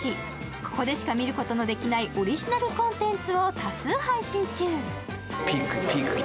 ここでしか見ることのできないオリジナルコンテンツを多数配信中。